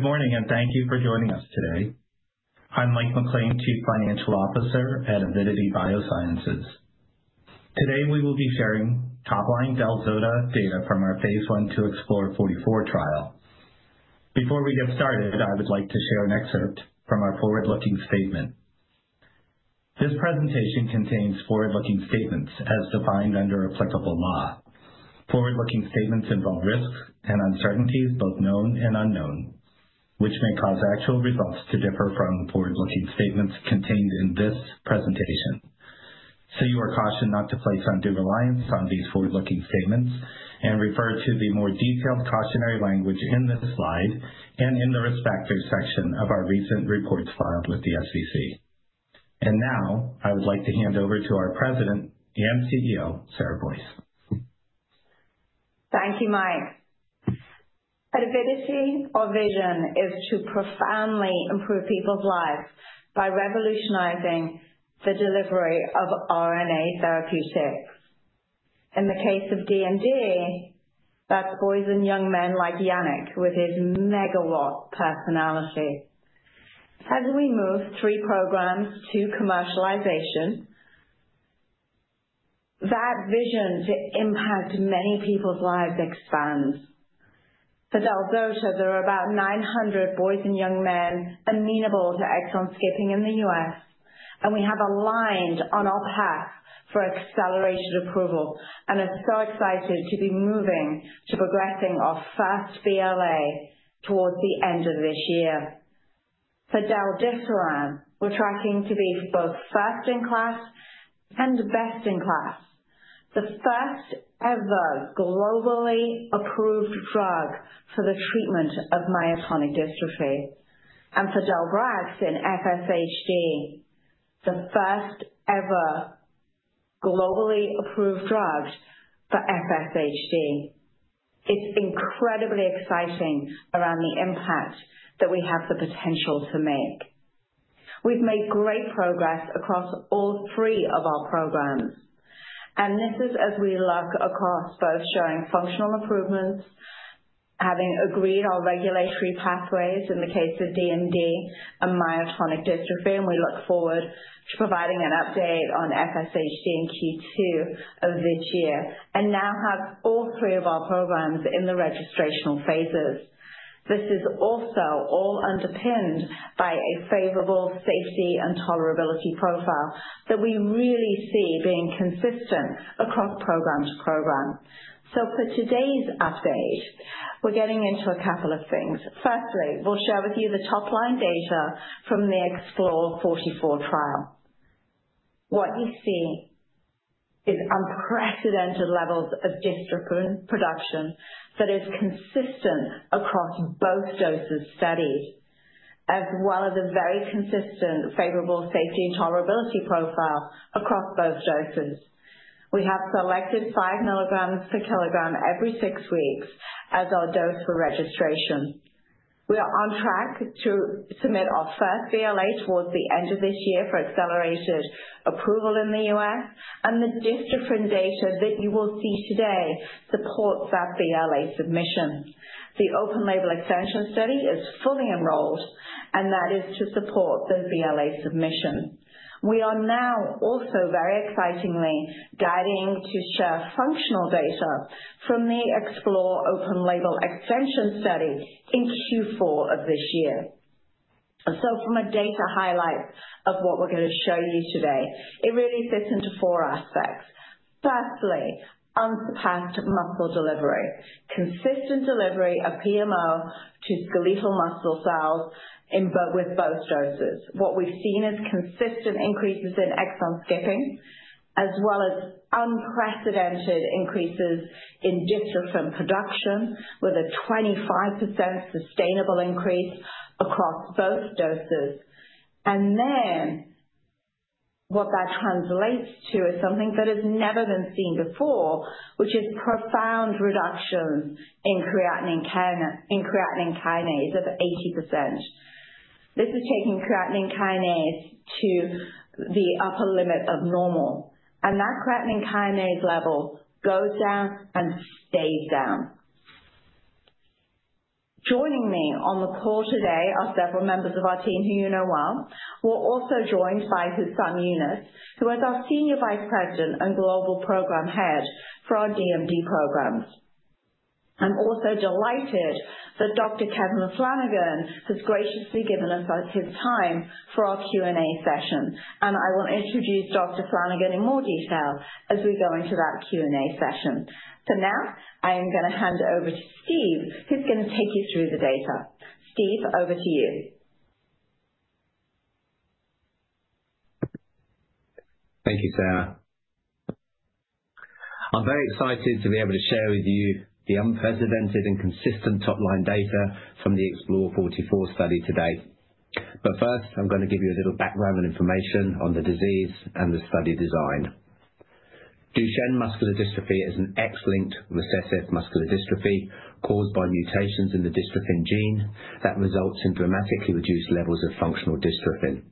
Good morning, and thank you for joining us today. I'm Mike McLean, Chief Financial Officer at Avidity Biosciences. Today we will be sharing top-line del-zota data from our phase I to EXPLORE44 trial. Before we get started, I would like to share an excerpt from our forward-looking statement. This presentation contains forward-looking statements as defined under applicable law. Forward-looking statements involve risks and uncertainties, both known and unknown, which may cause actual results to differ from forward-looking statements contained in this presentation. You are cautioned not to place undue reliance on these forward-looking statements and refer to the more detailed cautionary language in this slide and in the risk factors section of our recent reports filed with the SEC. I would like to hand over to our President and CEO, Sarah Boyce. Thank you, Mike. Avidity, our vision, is to profoundly improve people's lives by revolutionizing the delivery of RNA therapeutics. In the case of DMD, that's boys and young men like Yannick with his megawatt personality. As we move three programs to commercialization, that vision to impact many people's lives expands. For del-zota, there are about 900 boys and young men amenable to exon-skipping in the U.S., and we have aligned on our path for accelerated approval and are so excited to be moving to progressing our first BLA towards the end of this year. For del-desiran, we're tracking to be both first-in-class and best-in-class, the first-ever globally approved drug for the treatment of myotonic dystrophy. For del-brax, in FSHD, the first-ever globally approved drug for FSHD. It's incredibly exciting around the impact that we have the potential to make. We've made great progress across all three of our programs, and this is as we look across both showing functional improvements, having agreed our regulatory pathways in the case of DMD and myotonic dystrophy, and we look forward to providing an update on FSHD in Q2 of this year, and now have all three of our programs in the registrational phases. This is also all underpinned by a favorable safety and tolerability profile that we really see being consistent across program to program. For today's update, we're getting into a couple of things. Firstly, we'll share with you the top-line data from the EXPLORE44 trial. What you see is unprecedented levels of dystrophin production that is consistent across both doses studied, as well as a very consistent favorable safety and tolerability profile across both doses. We have selected 5 mg/kg every six weeks as our dose for registration. We are on track to submit our first BLA towards the end of this year for accelerated approval in the U.S., and the dystrophin data that you will see today supports that BLA submission. The open-label extension study is fully enrolled, and that is to support the BLA submission. We are now also very excitingly guiding to share functional data from the EXPLORE open-label extension study in Q4 of this year. From a data highlight of what we're going to show you today, it really sits into four aspects. Firstly, unsurpassed muscle delivery, consistent delivery of PMO to skeletal muscle cells with both doses. What we've seen is consistent increases in exon-skipping, as well as unprecedented increases in dystrophin production, with a 25% sustainable increase across both doses. What that translates to is something that has never been seen before, which is profound reductions in creatine kinase of 80%. This is taking creatine kinase to the upper limit of normal, and that creatine kinase level goes down and stays down. Joining me on the call today are several members of our team who you know well. We are also joined by Hussam Yunus, who is our Senior Vice President and Global Program Head for our DMD programs. I am also delighted that Dr. Kevin Flanagan has graciously given us his time for our Q&A session, and I will introduce Dr. Flanagan in more detail as we go into that Q&A session. For now, I am going to hand over to Steve, who is going to take you through the data. Steve, over to you. Thank you, Sarah. I'm very excited to be able to share with you the unprecedented and consistent top-line data from the EXPLORE44 study today. First, I'm going to give you a little background and information on the disease and the study design. Duchenne muscular dystrophy is an X-linked recessive muscular dystrophy caused by mutations in the dystrophin gene that results in dramatically reduced levels of functional dystrophin.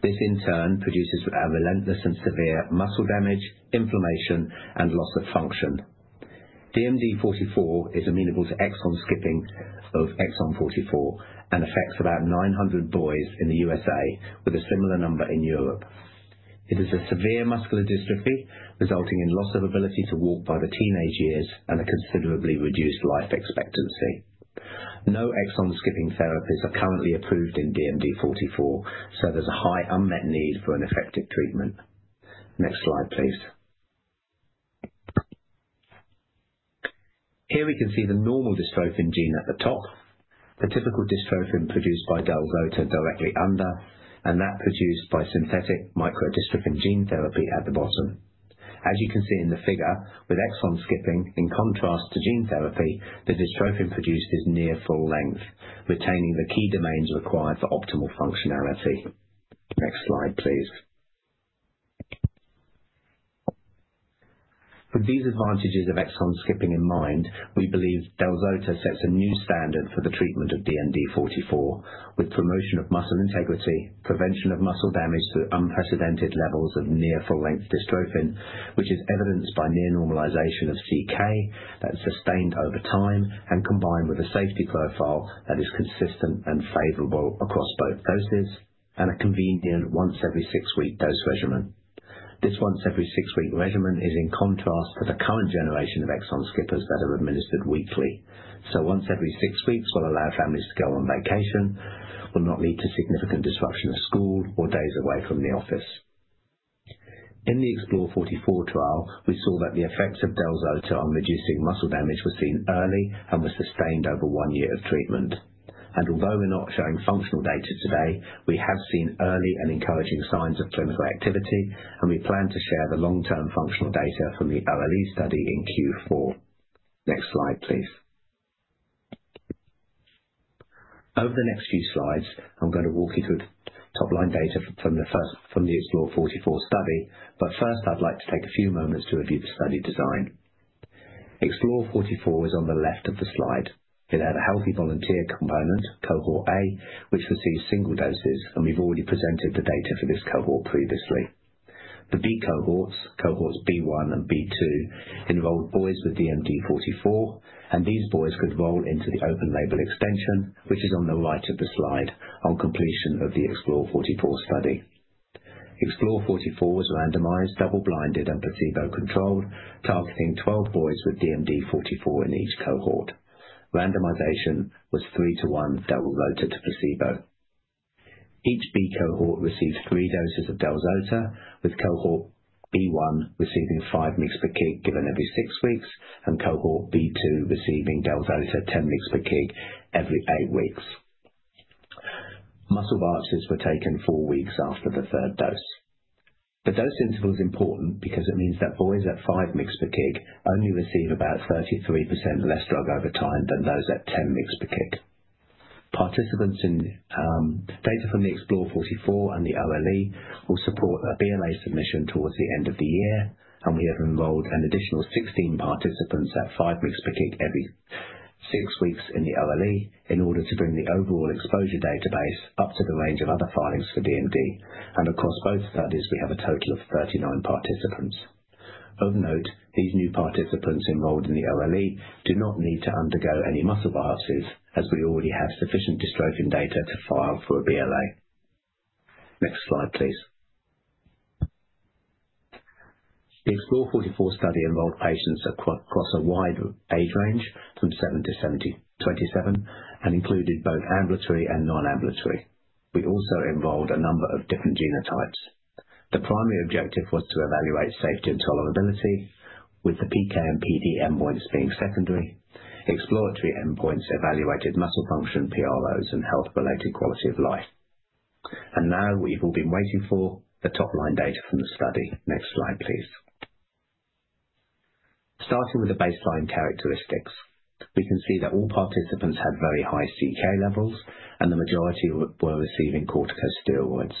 This, in turn, produces relentless and severe muscle damage, inflammation, and loss of function. DMD44 is amenable to exon-skipping of exon 44 and affects about 900 boys in the U.S., with a similar number in Europe. It is a severe muscular dystrophy resulting in loss of ability to walk by the teenage years and a considerably reduced life expectancy. No exon-skipping therapies are currently approved in DMD44, so there's a high unmet need for an effective treatment. Next slide, please. Here we can see the normal dystrophin gene at the top, the typical dystrophin produced by del-zota directly under, and that produced by synthetic microdystrophin gene therapy at the bottom. As you can see in the figure, with exon-skipping in contrast to gene therapy, the dystrophin produced is near full length, retaining the key domains required for optimal functionality. Next slide, please. With these advantages of exon-skipping in mind, we believe del-zota sets a new standard for the treatment of DMD44, with promotion of muscle integrity, prevention of muscle damage to unprecedented levels of near full-length dystrophin, which is evidenced by near normalization of CK that's sustained over time and combined with a safety profile that is consistent and favorable across both doses, and a convenient once-every-six-week dose regimen. This once-every-six-week regimen is in contrast to the current generation of exon-skippers that are administered weekly. Once-every-six-weeks will allow families to go on vacation, will not lead to significant disruption of school or days away from the office. In the EXPLORE44 trial, we saw that the effects of del-zota on reducing muscle damage were seen early and were sustained over one year of treatment. Although we're not showing functional data today, we have seen early and encouraging signs of clinical activity, and we plan to share the long-term functional data from the OLE study in Q4. Next slide, please. Over the next few slides, I'm going to walk you through top-line data from the EXPLORE44 study, but first, I'd like to take a few moments to review the study design. EXPLORE44 is on the left of the slide. It had a healthy volunteer component, cohort A, which received single doses, and we've already presented the data for this cohort previously. The B cohorts, cohorts B1 and B2, involved boys with DMD44, and these boys could roll into the open-label extension, which is on the right of the slide, on completion of the EXPLORE44 study. EXPLORE44 was randomized, double-blinded, and placebo-controlled, targeting 12 boys with DMD44 in each cohort. Randomization was 3:1, double-rotated to placebo. Each B cohort received three doses of del-zota, with cohort B1 receiving 5 mg per kg given every six weeks, and cohort B2 receiving del-zota 10 mg per kg every eight weeks. Muscle biopsies were taken four weeks after the third dose. The dose interval is important because it means that boys at 5 mg per kg only receive about 33% less drug over time than those at 10 mg per kg. Data from the EXPLORE44 and the OLE will support a BLA submission towards the end of the year, and we have enrolled an additional 16 participants at 5 mg per kg every six weeks in the OLE in order to bring the overall exposure database up to the range of other filings for DMD. Across both studies, we have a total of 39 participants. Of note, these new participants enrolled in the OLE do not need to undergo any muscle biopsies, as we already have sufficient dystrophin data to file for a BLA. Next slide, please. The EXPLORE44 study involved patients across a wide age range, from 7 to 27, and included both ambulatory and non-ambulatory. We also involved a number of different genotypes. The primary objective was to evaluate safety and tolerability, with the PK and PD endpoints being secondary. Exploratory endpoints evaluated muscle function, PROs, and health-related quality of life. We have all been waiting for the top-line data from the study. Next slide, please. Starting with the baseline characteristics, we can see that all participants had very high CK levels, and the majority were receiving corticosteroids,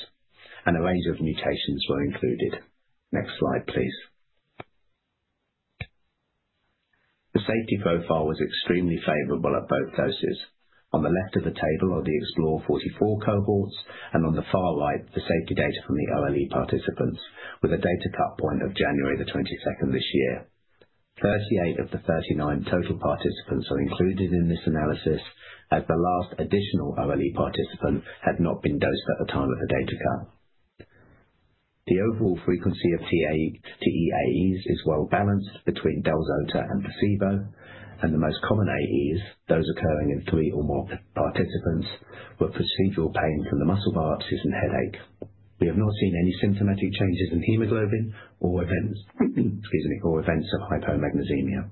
and a range of mutations were included. Next slide, please. The safety profile was extremely favorable at both doses. On the left of the table are the EXPLORE44 cohorts, and on the far right, the safety data from the OLE participants, with a data cut point of January 22, this year. Thirty-eight of the 39 total participants are included in this analysis, as the last additional OLE participant had not been dosed at the time of the data cut. The overall frequency of TEAEs is well-balanced between del-zota and placebo, and the most common AEs, those occurring in three or more participants, were procedural pain from the muscle biopsies and headache. We have not seen any symptomatic changes in hemoglobin or events of hypomagnesemia.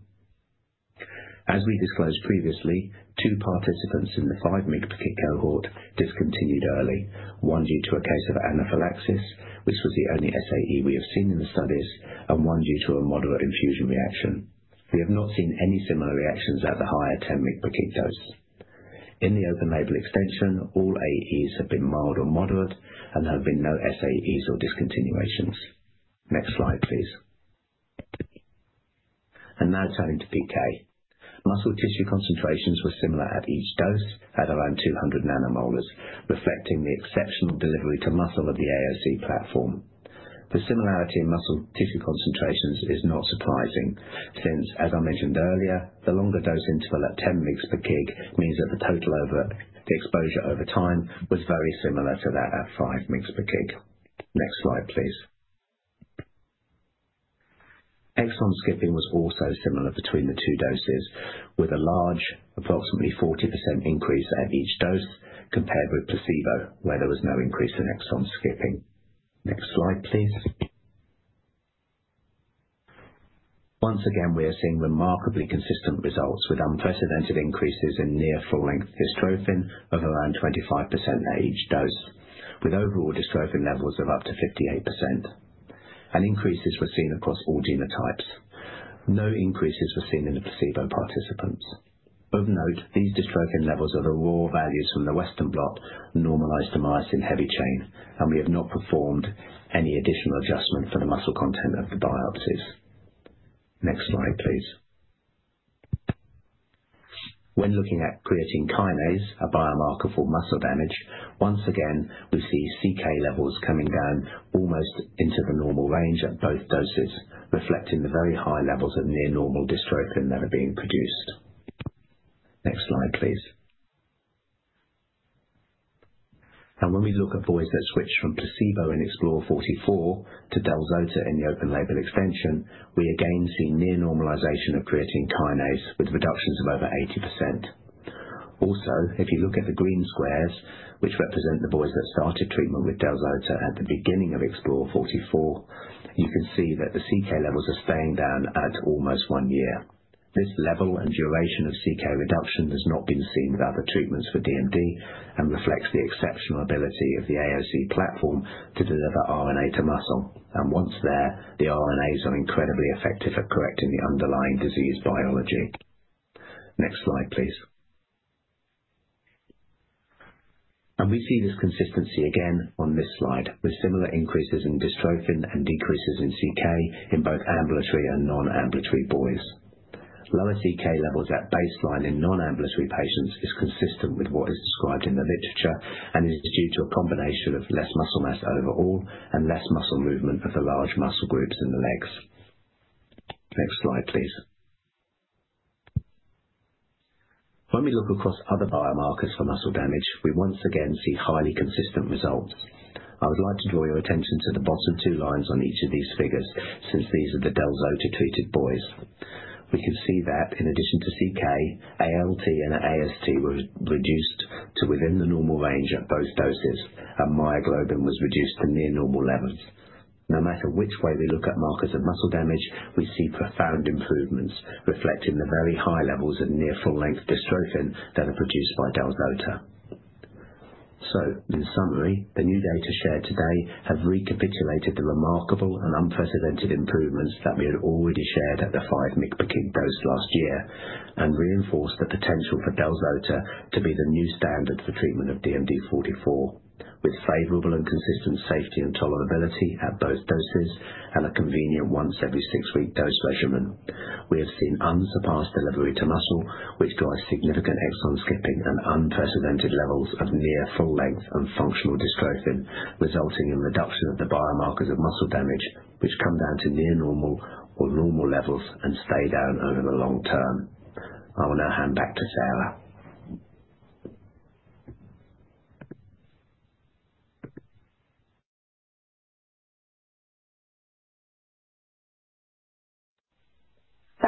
As we disclosed previously, two participants in the 5 mg/kg cohort discontinued early, one due to a case of anaphylaxis, which was the only SAE we have seen in the studies, and one due to a moderate infusion reaction. We have not seen any similar reactions at the higher 10 mg/kg dose. In the open-label extension, all AEs have been mild or moderate, and there have been no SAEs or discontinuations. Next slide, please. Now turning to PK. Muscle tissue concentrations were similar at each dose at around 200 nanomolars, reflecting the exceptional delivery to muscle of the AOC platform. The similarity in muscle tissue concentrations is not surprising, since, as I mentioned earlier, the longer dose interval at 10 mg per kg means that the exposure over time was very similar to that at 5 mg per kg. Next slide, please. Exon-skipping was also similar between the two doses, with a large, approximately 40% increase at each dose compared with placebo, where there was no increase in exon-skipping. Next slide, please. Once again, we are seeing remarkably consistent results, with unprecedented increases in near full-length dystrophin of around 25% at each dose, with overall dystrophin levels of up to 58%. Increases were seen across all genotypes. No increases were seen in the placebo participants. Of note, these dystrophin levels are the raw values from the Western blot normalized to myosin heavy chain, and we have not performed any additional adjustment for the muscle content of the biopsies. Next slide, please. When looking at creatine kinase, a biomarker for muscle damage, once again, we see CK levels coming down almost into the normal range at both doses, reflecting the very high levels of near normal dystrophin that are being produced. Next slide, please. When we look at boys that switched from placebo in EXPLORE44 to del-zota in the open-label extension, we again see near normalization of creatine kinase, with reductions of over 80%. Also, if you look at the green squares, which represent the boys that started treatment with del-zota at the beginning of EXPLORE44, you can see that the CK levels are staying down at almost one year. This level and duration of CK reduction has not been seen with other treatments for DMD and reflects the exceptional ability of the AOC platform to deliver RNA to muscle. Once there, the RNAs are incredibly effective at correcting the underlying disease biology. Next slide, please. We see this consistency again on this slide, with similar increases in dystrophin and decreases in CK in both ambulatory and non-ambulatory boys. Lower CK levels at baseline in non-ambulatory patients is consistent with what is described in the literature and is due to a combination of less muscle mass overall and less muscle movement of the large muscle groups in the legs. Next slide, please. When we look across other biomarkers for muscle damage, we once again see highly consistent results. I would like to draw your attention to the bottom two lines on each of these figures, since these are the del-zota-treated boys. We can see that, in addition to CK, ALT and AST were reduced to within the normal range at both doses, and myoglobin was reduced to near normal levels. No matter which way we look at markers of muscle damage, we see profound improvements, reflecting the very high levels of near full-length dystrophin that are produced by del-zota. In summary, the new data shared today have recapitulated the remarkable and unprecedented improvements that we had already shared at the 5 mg/kg dose last year and reinforced the potential for del-zota to be the new standard for treatment of DMD44, with favorable and consistent safety and tolerability at both doses and a convenient once-every-six-week dose regimen. We have seen unsurpassed delivery to muscle, which drives significant exon-skipping and unprecedented levels of near full-length and functional dystrophin, resulting in reduction of the biomarkers of muscle damage, which come down to near normal or normal levels and stay down over the long term. I will now hand back to Sarah.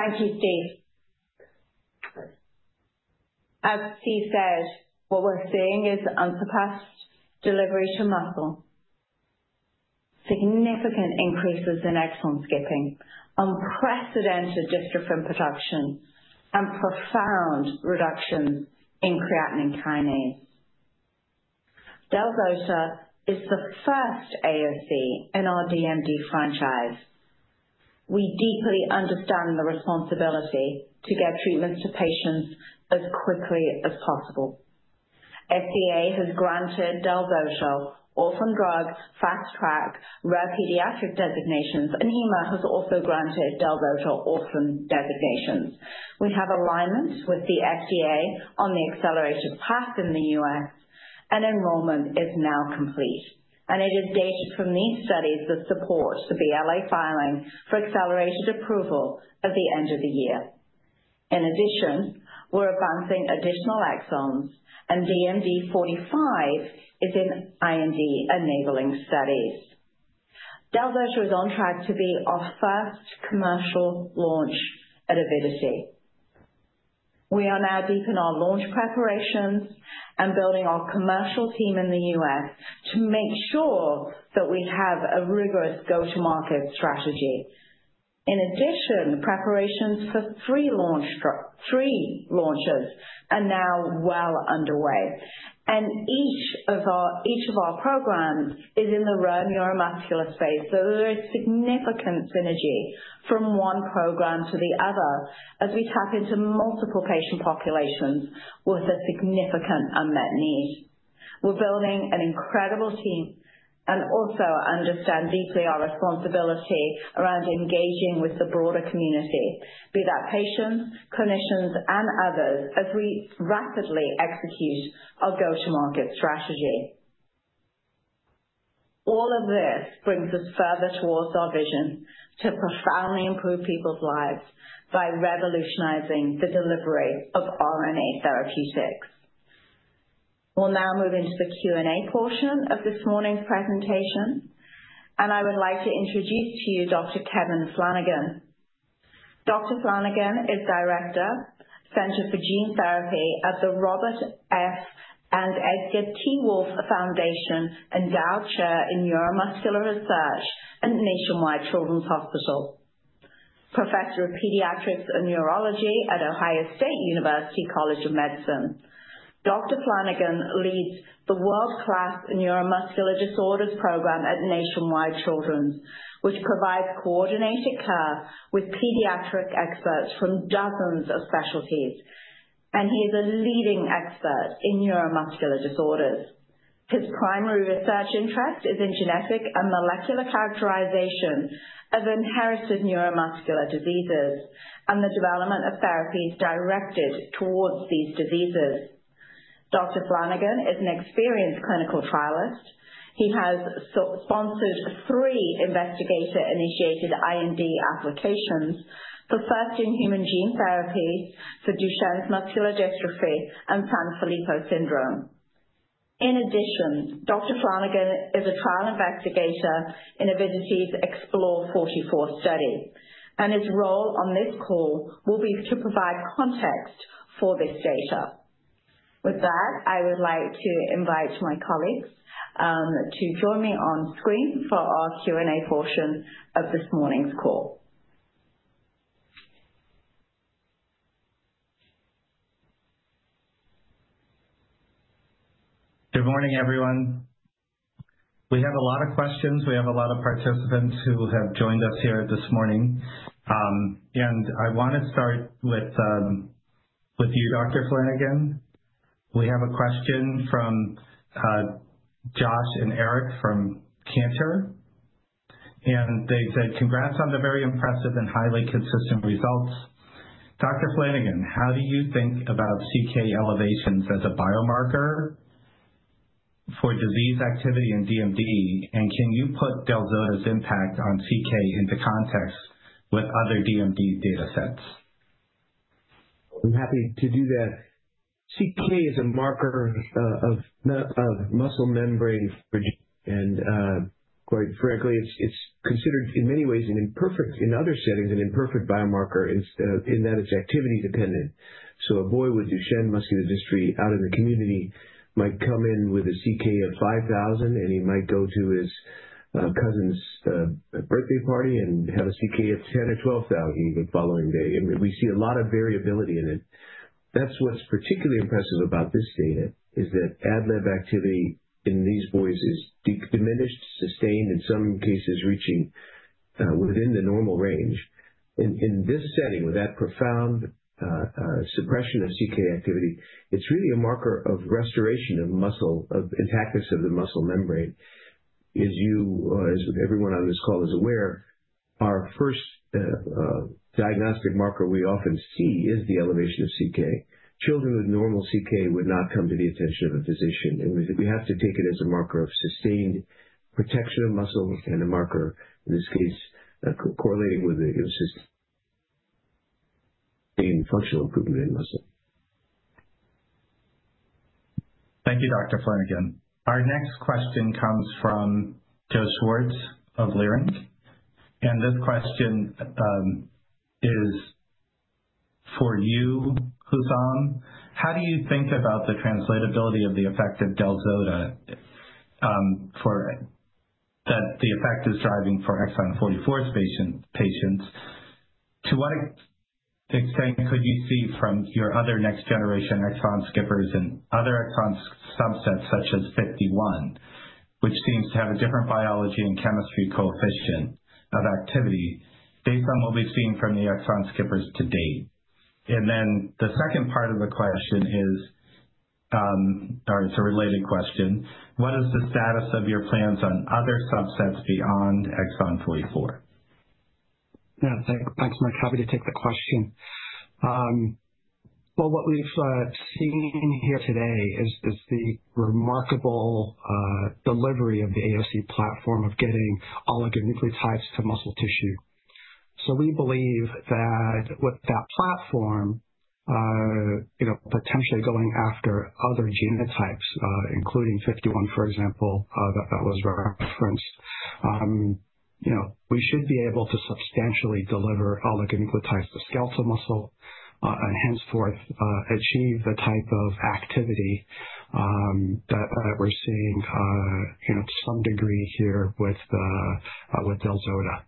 Thank you, Steve. As Steve said, what we're seeing is unsurpassed delivery to muscle, significant increases in exon-skipping, unprecedented dystrophin production, and profound reductions in creatine kinase. Del-zota is the first AOC in our DMD franchise. We deeply understand the responsibility to get treatments to patients as quickly as possible. FDA has granted del-zota orphan drug, fast track, rare pediatric designations, and EMA has also granted del-zota orphan designations. We have alignment with the FDA on the accelerated path in the U.S., and enrollment is now complete. It is data from these studies that support the BLA filing for accelerated approval at the end of the year. In addition, we're advancing additional exons, and DMD45 is in IND enabling studies. Del-zota is on track to be our first commercial launch at Avidity. We are now deep in our launch preparations and building our commercial team in the U.S. to make sure that we have a rigorous go-to-market strategy. In addition, preparations for three launches are now well underway, and each of our programs is in the rare neuromuscular space. There is significant synergy from one program to the other as we tap into multiple patient populations with a significant unmet need. We're building an incredible team and also understand deeply our responsibility around engaging with the broader community, be that patients, clinicians, and others, as we rapidly execute our go-to-market strategy. All of this brings us further towards our vision to profoundly improve people's lives by revolutionizing the delivery of RNA therapeutics. We'll now move into the Q&A portion of this morning's presentation, and I would like to introduce to you Dr. Kevin Flanagan. Dr. Flanagan is Director, Center for Gene Therapy at the Robert F. and Edgar T. Wolfe Foundation and Dow Chair in Neuromuscular Research at Nationwide Children's Hospital, Professor of Pediatrics and Neurology at Ohio State University College of Medicine. Dr. Flanagan leads the world-class Neuromuscular Disorders Program at Nationwide Children's, which provides coordinated care with pediatric experts from dozens of specialties, and he is a leading expert in neuromuscular disorders. His primary research interest is in genetic and molecular characterization of inherited neuromuscular diseases and the development of therapies directed towards these diseases. Dr. Flanagan is an experienced clinical trialist. He has sponsored three investigator-initiated IND applications, the first in human gene therapy for Duchenne muscular dystrophy and Sanfilippo syndrome. In addition, Dr. Flanagan is a trial investigator in Avidity's EXPLORE44 study, and his role on this call will be to provide context for this data. With that, I would like to invite my colleagues to join me on screen for our Q&A portion of this morning's call. Good morning, everyone. We have a lot of questions. We have a lot of participants who have joined us here this morning. I want to start with you, Dr. Flanagan. We have a question from Josh and Eric from Cantor, and they said, "Congrats on the very impressive and highly consistent results." Dr. Flanagan, how do you think about CK elevations as a biomarker for disease activity in DMD? Can you put del-zota's impact on CK into context with other DMD data sets? I'm happy to do that. CK is a marker of muscle membrane for. Quite frankly, it's considered in many ways an imperfect, in other settings, an imperfect biomarker in that it's activity-dependent. A boy with Duchenne muscular dystrophy out in the community might come in with a CK of 5,000, and he might go to his cousin's birthday party and have a CK of 10,000 or 12,000 the following day. We see a lot of variability in it. That's what's particularly impressive about this data, is that ad lib activity in these boys is diminished, sustained, in some cases reaching within the normal range. In this setting, with that profound suppression of CK activity, it's really a marker of restoration of muscle, of intactness of the muscle membrane. As everyone on this call is aware, our first diagnostic marker we often see is the elevation of CK. Children with normal CK would not come to the attention of a physician, and we have to take it as a marker of sustained protection of muscle and a marker, in this case, correlating with the sustained functional improvement in muscle. Thank you, Dr. Flanagan. Our next question comes from Joseph Schwartz of Leerink Partners. This question is for you, Hussam. How do you think about the translatability of the effect of del-zota that the effect is driving for exon 44 patients? To what extent could you see from your other next-generation exon-skippers and other exon subsets such as 51, which seems to have a different biology and chemistry coefficient of activity, based on what we've seen from the exon-skippers to date? The second part of the question is, or it's a related question, what is the status of your plans on other subsets beyond exon 44? Yeah, thanks. I'm happy to take the question. What we've seen here today is the remarkable delivery of the AOC platform of getting oligonucleotides to muscle tissue. We believe that with that platform, potentially going after other genotypes, including 51, for example, that was referenced, we should be able to substantially deliver oligonucleotides to skeletal muscle and henceforth achieve the type of activity that we're seeing to some degree here with del-zota.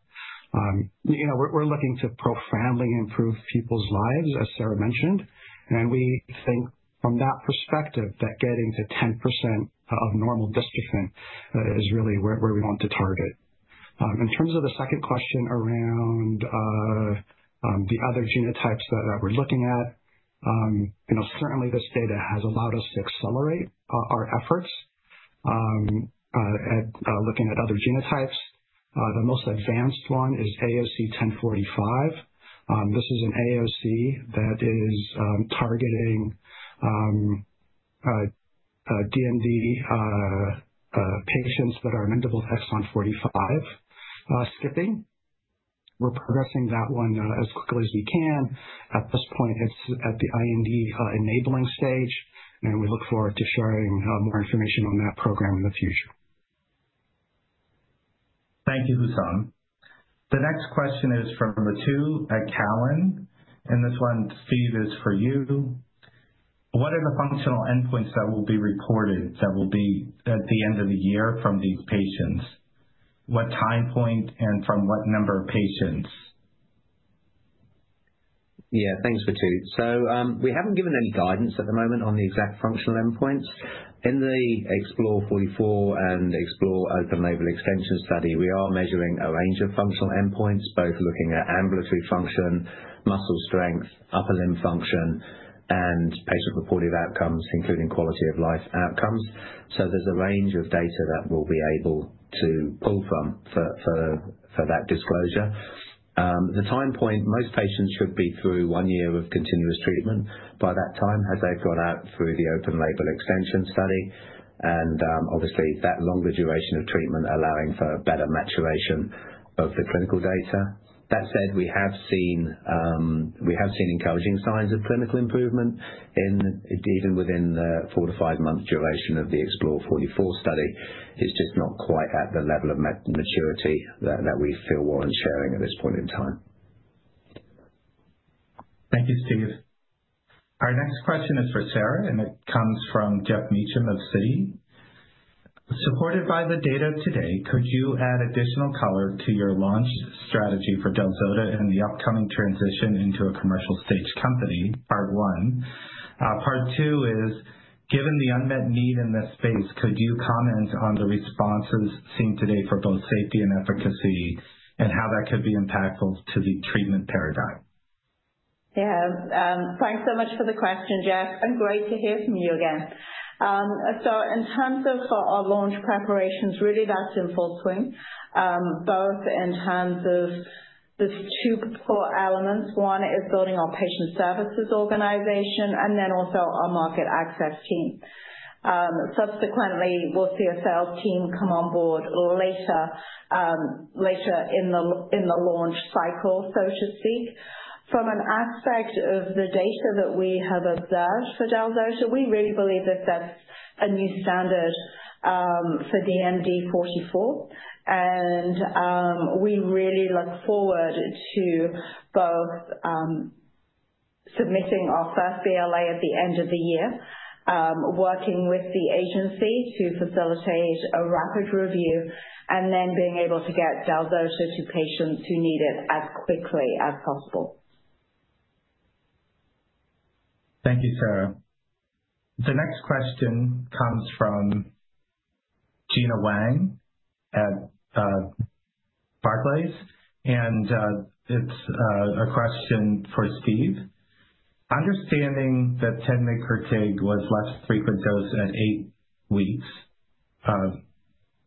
We're looking to profoundly improve people's lives, as Sarah mentioned, and we think from that perspective that getting to 10% of normal dystrophin is really where we want to target. In terms of the second question around the other genotypes that we're looking at, certainly this data has allowed us to accelerate our efforts at looking at other genotypes. The most advanced one is AOC1045. This is an AOC that is targeting DMD patients that are amenable to exon 45 skipping. We're progressing that one as quickly as we can. At this point, it's at the IND enabling stage, and we look forward to sharing more information on that program in the future. Thank you, Hussam. The next question is from Madhu at Goldman Sachs, and this one, Steve, is for you. What are the functional endpoints that will be reported that will be at the end of the year from these patients? What time point and from what number of patients? Yeah, thanks, Madhu. We haven't given any guidance at the moment on the exact functional endpoints. In the EXPLORE44 and EXPLORE open-label extension study, we are measuring a range of functional endpoints, both looking at ambulatory function, muscle strength, upper limb function, and patient-reported outcomes, including quality-of-life outcomes. There is a range of data that we'll be able to pull from for that disclosure. The time point, most patients should be through one year of continuous treatment by that time as they've got out through the open-label extension study, and obviously that longer duration of treatment allowing for better maturation of the clinical data. That said, we have seen encouraging signs of clinical improvement, and even within the four to five-month duration of the EXPLORE44 study, it's just not quite at the level of maturity that we feel we're sharing at this point in time. Thank you, Steve. Our next question is for Sarah, and it comes from Geoff Meacham of Citi. Supported by the data today, could you add additional color to your launch strategy for del-zota and the upcoming transition into a commercial-stage company, part one? Part two is, given the unmet need in this space, could you comment on the responses seen today for both safety and efficacy and how that could be impactful to the treatment paradigm? Yeah, thanks so much for the question, Jeff. Great to hear from you again. In terms of our launch preparations, really that's in full swing, both in terms of the two core elements. One is building our patient services organization and then also our market access team. Subsequently, we'll see a sales team come on board later in the launch cycle, so to speak. From an aspect of the data that we have observed for del-zota, we really believe that that's a new standard for DMD44, and we really look forward to both submitting our first BLA at the end of the year, working with the agency to facilitate a rapid review, and then being able to get del-zota to patients who need it as quickly as possible. Thank you, Sarah. The next question comes from Gena Wang at Barclays, and it's a question for Steve. Understanding that 10 mg per kg was less frequent dose at eight weeks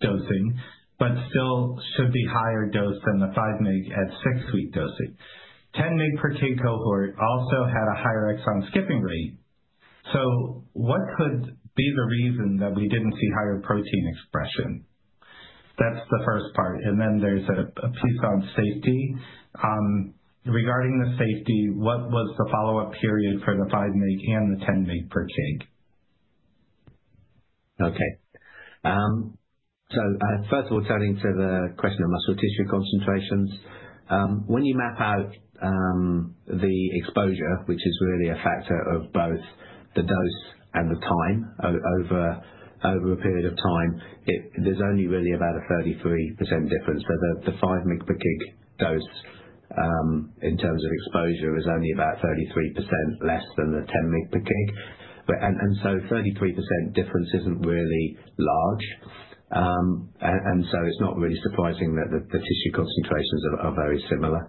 dosing, but still should be higher dose than the 5 mg at six-week dosing. 10 mg per kg cohort also had a higher exon-skipping rate. What could be the reason that we didn't see higher protein expression? That's the first part. There is a piece on safety. Regarding the safety, what was the follow-up period for the 5 mg and the 10 mg per kg? Okay. First of all, turning to the question of muscle tissue concentrations, when you map out the exposure, which is really a factor of both the dose and the time over a period of time, there's only really about a 33% difference. The 5 mg per kg dose in terms of exposure is only about 33% less than the 10 mg per kg. A 33% difference isn't really large, and it's not really surprising that the tissue concentrations are very similar.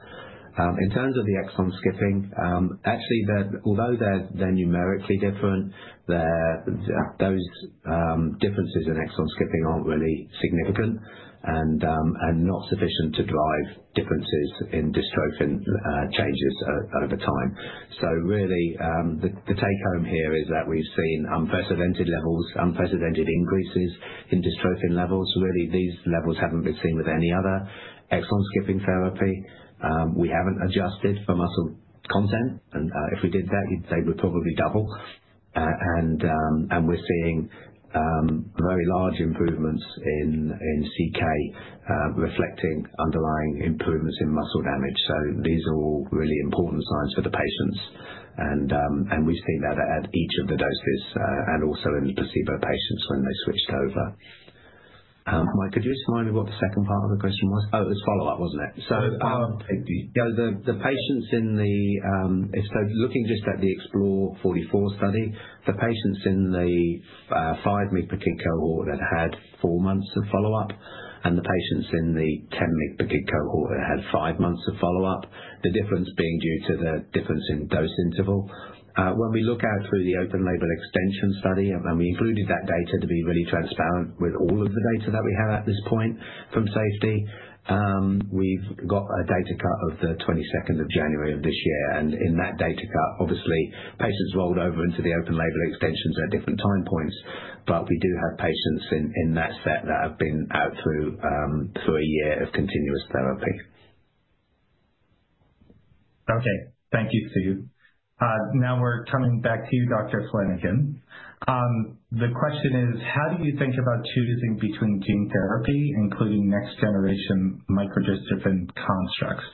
In terms of the exon-skipping, actually, although they're numerically different, those differences in exon-skipping aren't really significant and not sufficient to drive differences in dystrophin changes over time. The take-home here is that we've seen unprecedented levels, unprecedented increases in dystrophin levels. These levels haven't been seen with any other exon-skipping therapy. We haven't adjusted for muscle content, and if we did that, they would probably double. We are seeing very large improvements in CK reflecting underlying improvements in muscle damage. These are all really important signs for the patients, and we've seen that at each of the doses and also in the placebo patients when they switched over. Mike, could you just remind me what the second part of the question was? Oh, it was follow-up, wasn't it? That's fine. Yeah, the patients in the, so looking just at the EXPLORE44 study, the patients in the 5 mg per kg cohort that had four months of follow-up and the patients in the 10 mg per kg cohort that had five months of follow-up, the difference being due to the difference in dose interval. When we look out through the Open Label Extension study, and we included that data to be really transparent with all of the data that we have at this point from safety, we've got a data cut of the 22nd of January of this year. In that data cut, obviously, patients rolled over into the Open Label Extensions at different time points, but we do have patients in that set that have been out through a year of continuous therapy. Okay, thank you, Steve. Now we're coming back to you, Dr. Flanagan. The question is, how do you think about choosing between gene therapy, including next-generation microdystrophin constructs,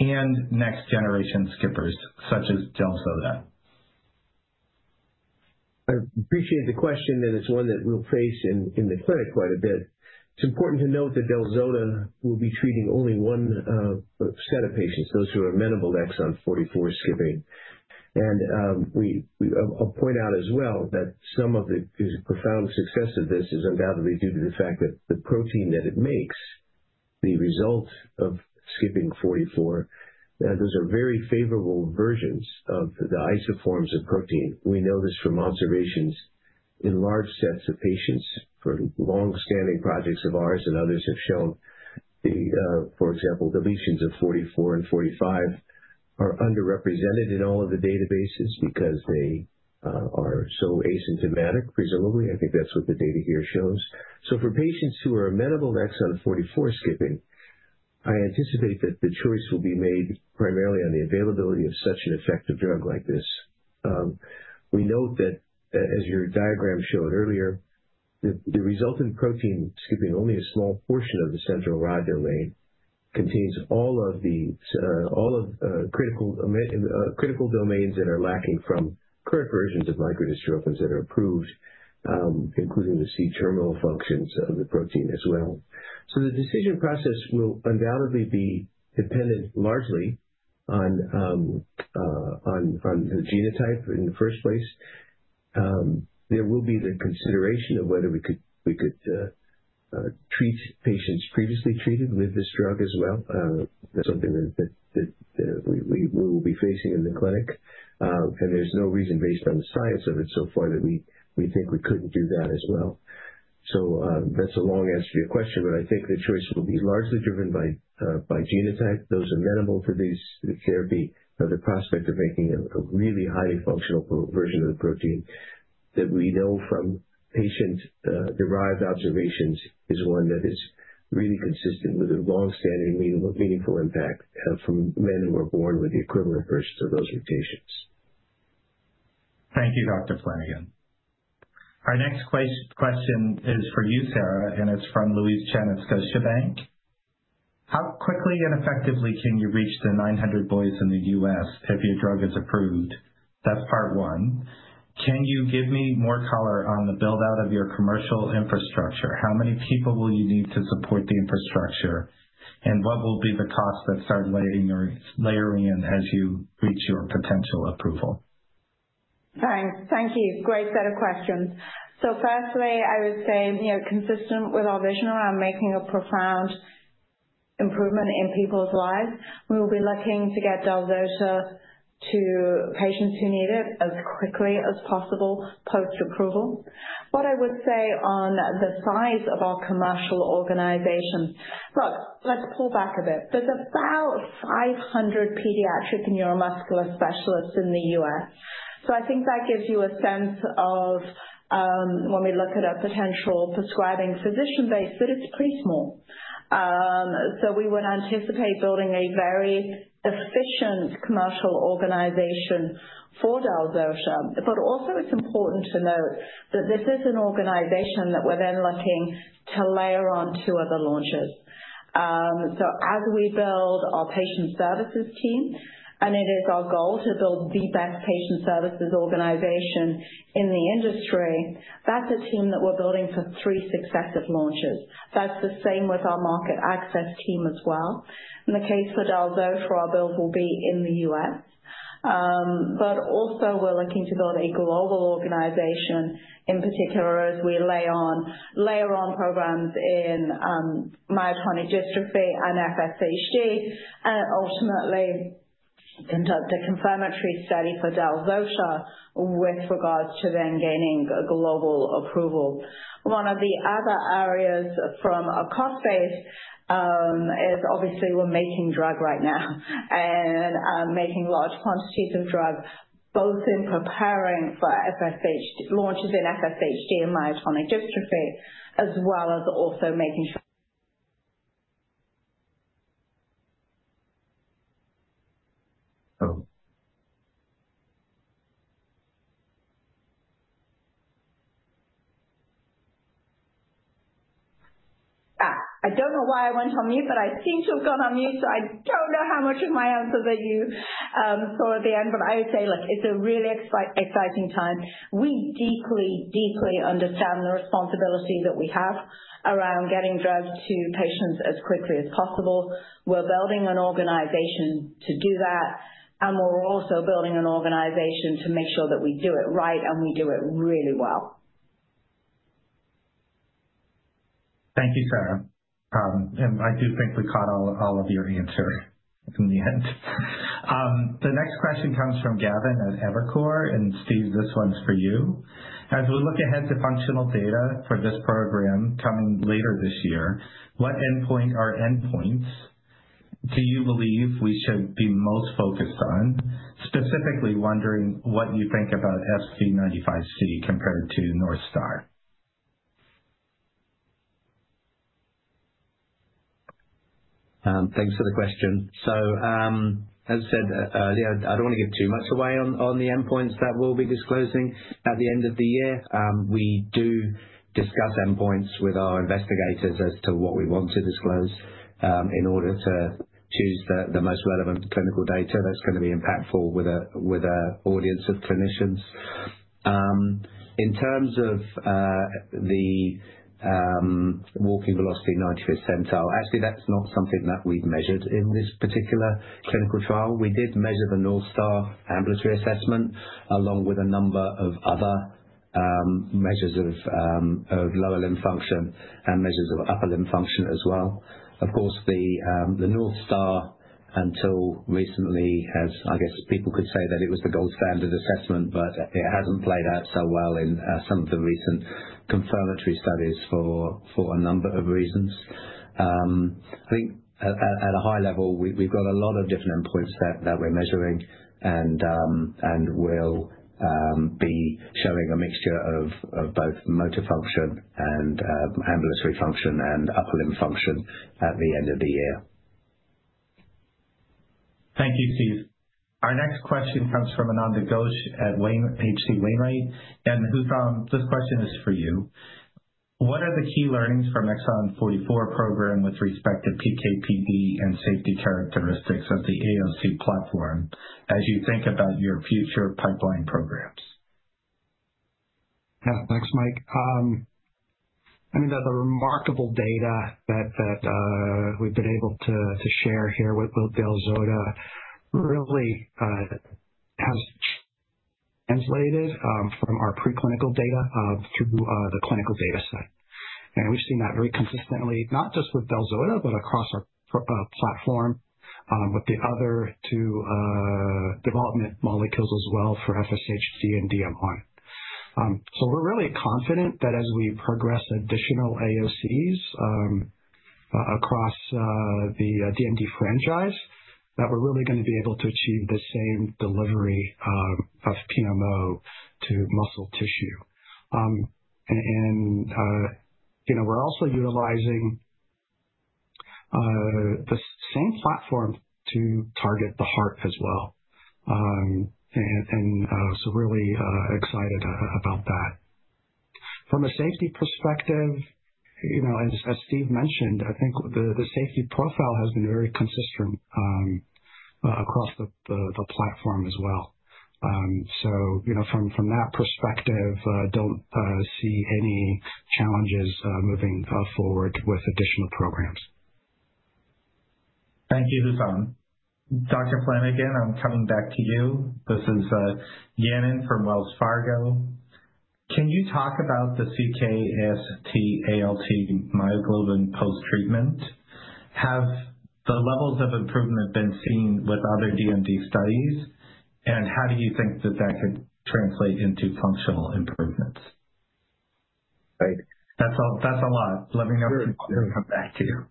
and next-generation skippers such as del-zota? I appreciate the question, and it's one that we'll face in the clinic quite a bit. It's important to note that del-zota will be treating only one set of patients, those who are amenable to exon 44 skipping. I'll point out as well that some of the profound success of this is undoubtedly due to the fact that the protein that it makes, the result of skipping 44, those are very favorable versions of the isoforms of protein. We know this from observations in large sets of patients for long-standing projects of ours, and others have shown, for example, deletions of 44 and 45 are underrepresented in all of the databases because they are so asymptomatic, presumably. I think that's what the data here shows. For patients who are amenable to exon 44 skipping, I anticipate that the choice will be made primarily on the availability of such an effective drug like this. We note that, as your diagram showed earlier, the resultant protein skipping only a small portion of the central rod domain contains all of the critical domains that are lacking from current versions of microdystrophins that are approved, including the C-terminal functions of the protein as well. The decision process will undoubtedly be dependent largely on the genotype in the first place. There will be the consideration of whether we could treat patients previously treated with this drug as well. Something that we will be facing in the clinic, and there is no reason based on the science of it so far that we think we could not do that as well. That's a long answer to your question, but I think the choice will be largely driven by genotype. Those amenable to this therapy have the prospect of making a really highly functional version of the protein that we know from patient-derived observations is one that is really consistent with a long-standing meaningful impact from men who are born with the equivalent versions of those mutations. Thank you, Dr. Flanagan. Our next question is for you, Sarah, and it's from Louise Chen, Cantor Fitzgerald. How quickly and effectively can you reach the 900 boys in the U.S. if your drug is approved? That's part one. Can you give me more color on the build-out of your commercial infrastructure? How many people will you need to support the infrastructure, and what will be the cost of start layering in as you reach your potential approval? Thanks. Thank you. Great set of questions. Firstly, I would say consistent with our vision around making a profound improvement in people's lives, we will be looking to get del-zota to patients who need it as quickly as possible post-approval. What I would say on the size of our commercial organization, look, let's pull back a bit. There are about 500 pediatric neuromuscular specialists in the U.S. I think that gives you a sense of when we look at a potential prescribing physician base, that it's pretty small. We would anticipate building a very efficient commercial organization for del-zota, but also it's important to note that this is an organization that we're then looking to layer on two other launches. As we build our patient services team, and it is our goal to build the best patient services organization in the industry, that's a team that we're building for three successive launches. That's the same with our market access team as well. In the case for del-zota, our build will be in the U.S., but also we're looking to build a global organization in particular as we layer on programs in myotonic dystrophy and FSHD, and ultimately conduct a confirmatory study for del-zota with regards to then gaining global approval. One of the other areas from a cost base is obviously we're making drug right now and making large quantities of drug, both in preparing for launches in FSHD and myotonic dystrophy, as well as also making sure. I don't know why I went on mute, but I seem to have gone on mute, so I don't know how much of my answers that you saw at the end. I would say, look, it's a really exciting time. We deeply, deeply understand the responsibility that we have around getting drugs to patients as quickly as possible. We're building an organization to do that, and we're also building an organization to make sure that we do it right and we do it really well. Thank you, Sarah. I do think we caught all of your answer in the end. The next question comes from Gavin at Evercore. Steve, this one's for you. As we look ahead to functional data for this program coming later this year, what endpoint or endpoints do you believe we should be most focused on, specifically wondering what you think about SV95C compared to Northstar? Thanks for the question. As I said earlier, I don't want to give too much away on the endpoints that we'll be disclosing at the end of the year. We do discuss endpoints with our investigators as to what we want to disclose in order to choose the most relevant clinical data that's going to be impactful with an audience of clinicians. In terms of the walking velocity 95th centile, actually, that's not something that we've measured in this particular clinical trial. We did measure the Northstar ambulatory assessment along with a number of other measures of lower limb function and measures of upper limb function as well. Of course, the Northstar, until recently, has, I guess people could say that it was the gold standard assessment, but it hasn't played out so well in some of the recent confirmatory studies for a number of reasons. I think at a high level, we've got a lot of different endpoints that we're measuring, and we'll be showing a mixture of both motor function and ambulatory function and upper limb function at the end of the year. Thank you, Steve. Our next question comes from Ananda Ghosh at HC Wainwright. This question is for you. What are the key learnings from Exon-44 program with respect to PKPD and safety characteristics of the AOC platform as you think about your future pipeline programs? Yeah, thanks, Mike. I mean, the remarkable data that we've been able to share here with del-zota really has translated from our preclinical data through the clinical data set. We've seen that very consistently, not just with del-zota, but across our platform with the other two development molecules as well for FSHD and DM1. We are really confident that as we progress additional AOCs across the DMD franchise, we are really going to be able to achieve the same delivery of PMO to muscle tissue. We are also utilizing the same platform to target the heart as well. Really excited about that. From a safety perspective, as Steve mentioned, I think the safety profile has been very consistent across the platform as well. From that perspective, I do not see any challenges moving forward with additional programs. Thank you, Hussam. Dr. Flanagan, I'm coming back to you. This is Yanan Zhu from Wells Fargo. Can you talk about the CK, AST, ALT, myoglobin post-treatment? Have the levels of improvement been seen with other DMD studies, and how do you think that that could translate into functional improvements? That is a lot. Let me know if we can come back to you.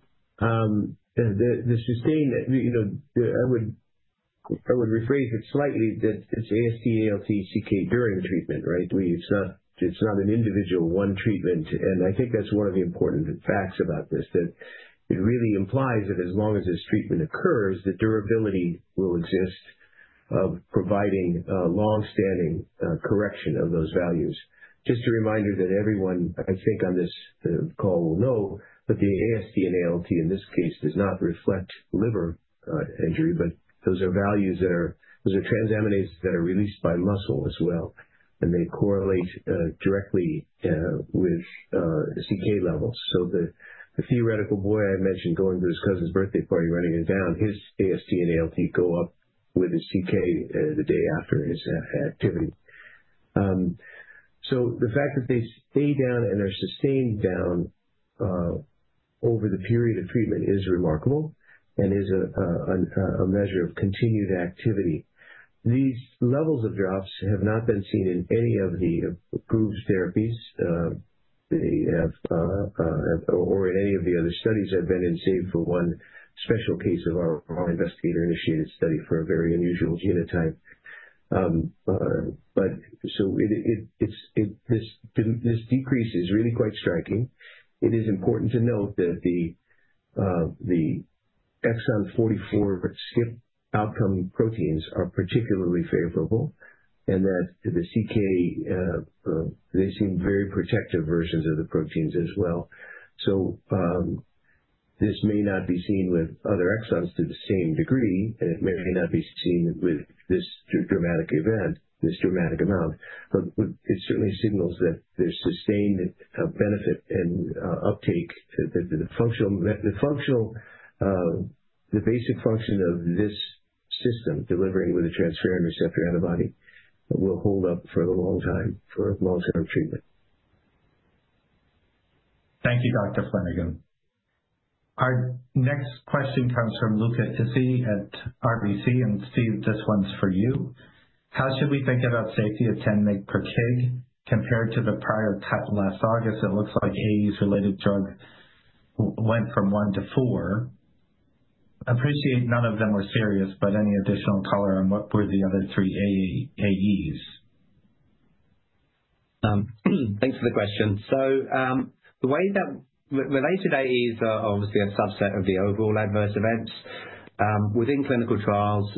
The sustained, I would rephrase it slightly that it's AST-ALT CK during treatment, right? It's not an individual one treatment. I think that's one of the important facts about this, that it really implies that as long as this treatment occurs, the durability will exist of providing long-standing correction of those values. Just a reminder that everyone, I think, on this call will know, but the AST and ALT in this case does not reflect liver injury, but those are values that are transaminases that are released by muscle as well, and they correlate directly with CK levels. The theoretical boy I mentioned going to his cousin's birthday party, running it down, his AST and ALT go up with his CK the day after his activity. The fact that they stay down and are sustained down over the period of treatment is remarkable and is a measure of continued activity. These levels of drops have not been seen in any of the approved therapies or in any of the other studies I've been in, save for one special case of our investigator-initiated study for a very unusual genotype. This decrease is really quite striking. It is important to note that the exon 44 skip outcome proteins are particularly favorable and that the CK, they seem very protective versions of the proteins as well. This may not be seen with other exons to the same degree, and it may not be seen with this dramatic event, this dramatic amount. It certainly signals that there's sustained benefit and uptake. The basic function of this system delivering with a transferrin receptor antibody will hold up for a long time for long-term treatment. Thank you, Dr. Flanagan. Our next question comes from Luca Issi at RBC, and Steve, this one's for you. How should we think about safety of 10 mg per kg compared to the prior cut last August? It looks like AEs-related drug went from one to four. I appreciate none of them were serious, but any additional color on what were the other three AEs? Thanks for the question. The way that related AEs are obviously a subset of the overall adverse events. Within clinical trials,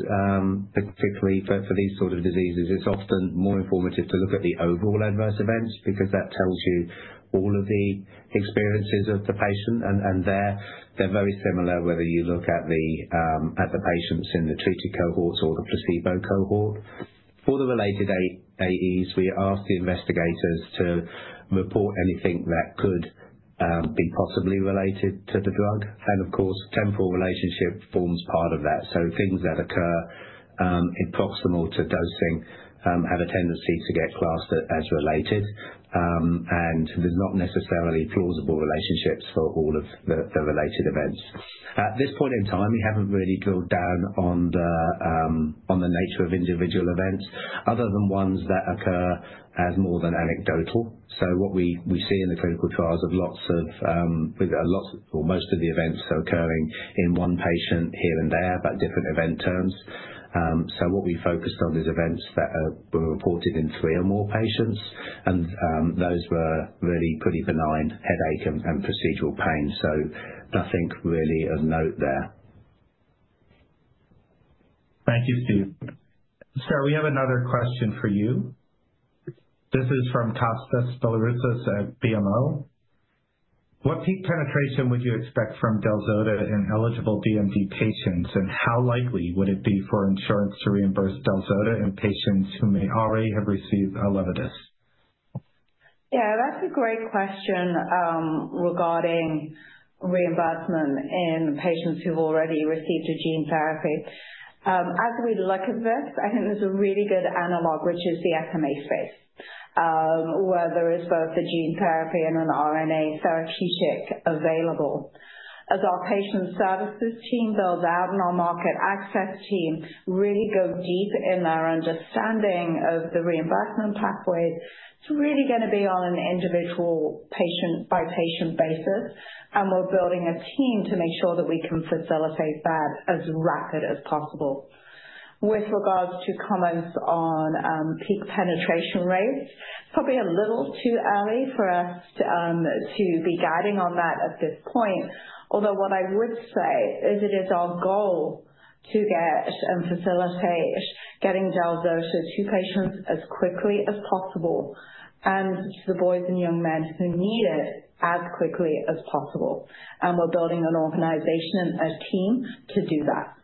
particularly for these sort of diseases, it is often more informative to look at the overall adverse events because that tells you all of the experiences of the patient, and they are very similar whether you look at the patients in the treated cohorts or the placebo cohort. For the related AEs, we ask the investigators to report anything that could be possibly related to the drug. Of course, temporal relationship forms part of that. Things that occur proximal to dosing have a tendency to get classed as related, and there is not necessarily plausible relationships for all of the related events. At this point in time, we have not really drilled down on the nature of individual events other than ones that occur as more than anecdotal. What we see in the clinical trials is lots of, or most of the events occurring in one patient here and there but different event terms. What we focused on is events that were reported in three or more patients, and those were really pretty benign headache and procedural pain. Nothing really of note there. Thank you, Steve. Sir, we have another question for you. This is from Kostas Biliouris at BMO. What peak penetration would you expect from del-zota in eligible DMD patients, and how likely would it be for insurance to reimburse del-zota in patients who may already have received Elevidys? Yeah, that's a great question regarding reimbursement in patients who've already received a gene therapy. As we look at this, I think there's a really good analog, which is the SMA space, where there is both the gene therapy and an RNA therapeutic available. As our patient services team builds out and our market access team really go deep in our understanding of the reimbursement pathways, it's really going to be on an individual patient-by-patient basis, and we're building a team to make sure that we can facilitate that as rapid as possible. With regards to comments on peak penetration rates, it's probably a little too early for us to be guiding on that at this point, although what I would say is it is our goal to get and facilitate getting del-zota to patients as quickly as possible and to the boys and young men who need it as quickly as possible. We are building an organization and a team to do that.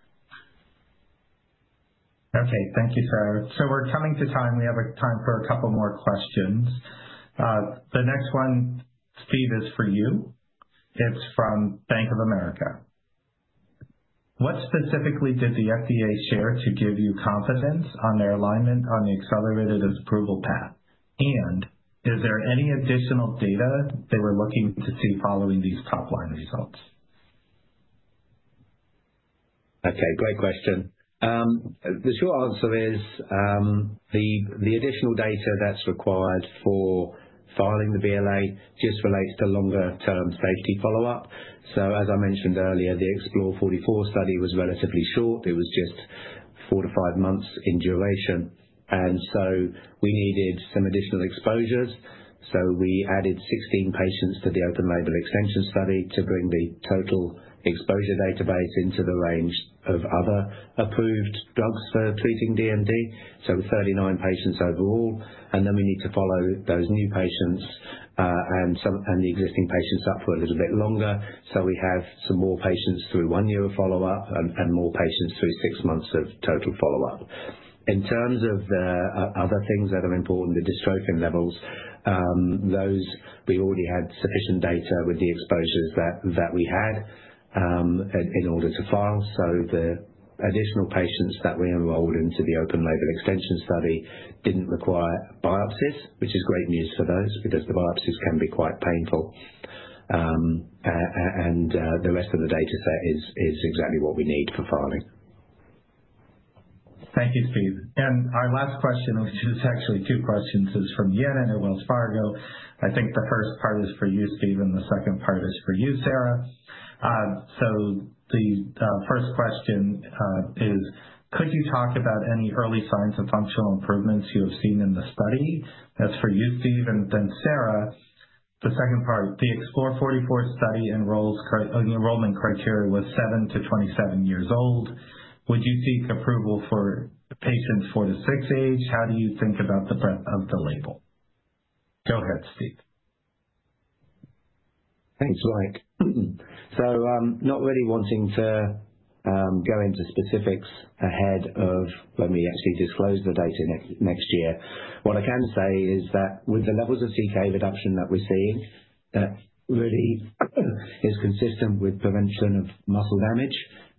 Okay, thank you, sir. We're coming to time. We have time for a couple more questions. The next one, Steve, is for you. It's from Bank of America. What specifically did the FDA share to give you confidence on their alignment on the accelerated approval path? Is there any additional data they were looking to see following these top-line results? Okay, great question. The short answer is the additional data that's required for filing the BLA just relates to longer-term safety follow-up. As I mentioned earlier, the EXPLORE44 study was relatively short. It was just four to five months in duration. We needed some additional exposures. We added 16 patients to the open label extension study to bring the total exposure database into the range of other approved drugs for treating DMD. Thirty-nine patients overall. We need to follow those new patients and the existing patients up for a little bit longer. We have some more patients through one year of follow-up and more patients through six months of total follow-up. In terms of the other things that are important, the dystrophin levels, those we already had sufficient data with the exposures that we had in order to file. The additional patients that we enrolled into the open label extension study did not require biopsies, which is great news for those because the biopsies can be quite painful. The rest of the data set is exactly what we need for filing. Thank you, Steve. Our last question, which is actually two questions, is from Yannon at Wells Fargo. I think the first part is for you, Steve, and the second part is for you, Sarah. The first question is, could you talk about any early signs of functional improvements you have seen in the study? That is for you, Steve. Sarah, the second part, the EXPLORE44 study enrollment criteria was 7 to 27 years old. Would you seek approval for patients 4 to 6 age? How do you think about the breadth of the label? Go ahead, Steve. Thanks, Mike. Not really wanting to go into specifics ahead of when we actually disclose the data next year. What I can say is that with the levels of CK reduction that we're seeing, that really is consistent with prevention o muscle damage.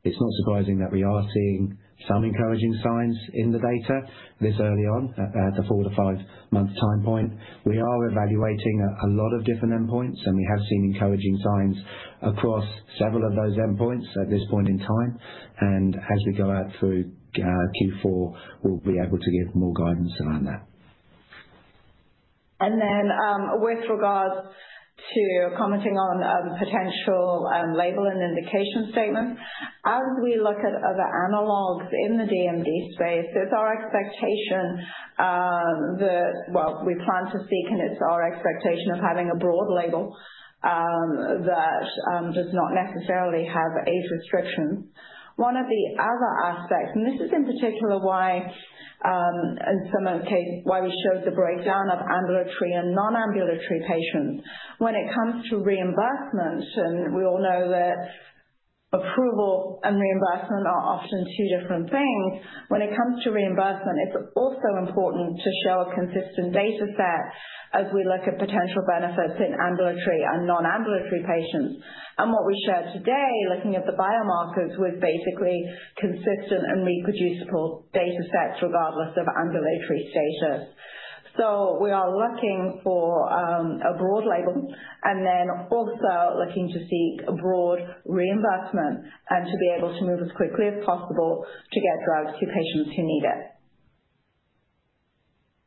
It's not surprising that we are seeing some encouraging signs in the data this early on at the four to five-month time point. We are evaluating a lot of different endpoints, and we have seen encouraging signs across several of those endpoints at this point in time. As we go out through Q4, we'll be able to give more guidance around that. With regards to commenting on potential label and indication statements, as we look at other analogs in the DMD space, it's our expectation that, well, we plan to seek, and it's our expectation of having a broad label that does not necessarily have age restrictions. One of the other aspects, and this is in particular why in some cases why we showed the breakdown of ambulatory and non-ambulatory patients, when it comes to reimbursement, and we all know that approval and reimbursement are often two different things. When it comes to reimbursement, it's also important to show a consistent data set as we look at potential benefits in ambulatory and non-ambulatory patients. What we shared today, looking at the biomarkers, was basically consistent and reproducible data sets regardless of ambulatory status. We are looking for a broad label and then also looking to seek broad reimbursement and to be able to move as quickly as possible to get drugs to patients who need it.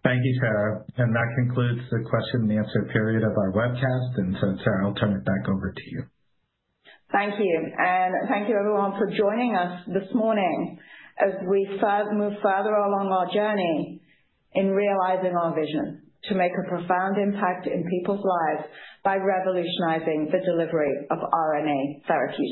Thank you, Sarah. That concludes the question-and-answer period of our webcast. Sarah, I'll turn it back over to you. Thank you. Thank you, everyone, for joining us this morning as we move further along our journey in realizing our vision to make a profound impact in people's lives by revolutionizing the delivery of RNA therapeutics.